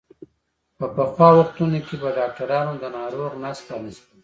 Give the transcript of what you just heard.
په پخوا وختونو کې به ډاکترانو د ناروغ نس پرانستلو.